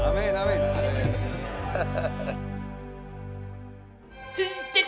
ya benar pak